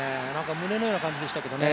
胸のような感じでしたけどね。